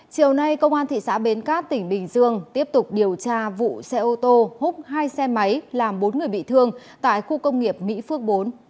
chiều nay công an thị xã bến cát tỉnh bình dương tiếp tục điều tra vụ xe ô tô hút hai xe máy làm bốn người bị thương tại khu công nghiệp mỹ phước bốn